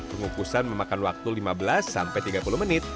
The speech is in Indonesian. pengukusan memakan waktu lima belas sampai tiga puluh menit